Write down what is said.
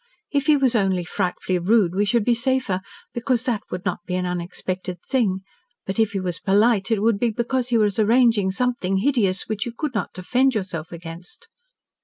If he was only frightfully rude we should be safer, because that would not be an unexpected thing, but if he was polite, it would be because he was arranging something hideous, which you could not defend yourself against."